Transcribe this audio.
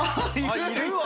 いるわ。